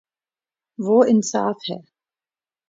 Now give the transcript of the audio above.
وہ انصا ف ہے